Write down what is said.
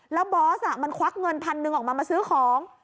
แล้วบอสมันควักเงินพันหนึ่งออกมามาซื้อของ